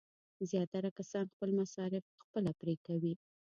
زیاتره کسان خپل مصارف خپله پرې کوي.